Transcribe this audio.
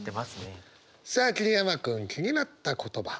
さあ桐山君気になった言葉。